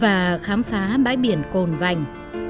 và khám phá bãi biển cồn vành